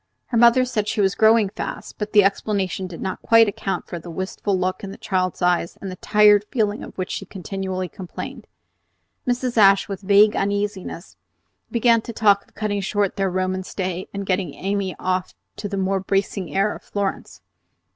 Her mother said she was growing fast, but the explanation did not quite account for the wistful look in the child's eyes and the tired feeling of which she continually complained. Mrs. Ashe, with vague uneasiness, began to talk of cutting short their Roman stay and getting Amy off to the more bracing air of Florence.